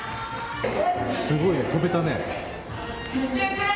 すごいね、跳べたね。